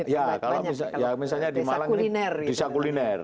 ya kalau misalnya di malang ini desa kuliner